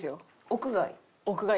屋外？